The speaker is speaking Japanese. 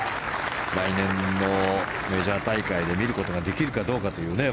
来年のメジャー大会で見ることができるかどうかという。